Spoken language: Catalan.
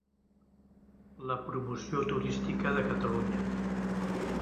La promoció turística de Catalunya.